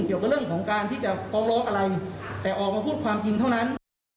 เกี่ยวกับเรื่องของการที่จะฟ้องร้องอะไรแต่ออกมาพูดความจริงเท่านั้น